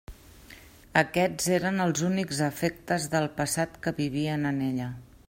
Aquests eren els únics afectes del passat que vivien en ella.